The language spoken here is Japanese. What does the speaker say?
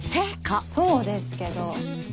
そうですけど。